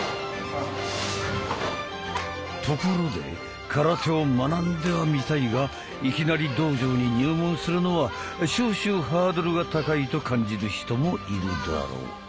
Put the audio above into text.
ところで空手を学んではみたいがいきなり道場に入門するのは少々ハードルが高いと感じる人もいるだろう。